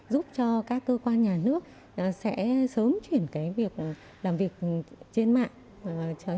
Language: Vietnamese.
giúp cho các cơ quan nhà nước sẽ sớm chuyển cái việc làm việc trên mạng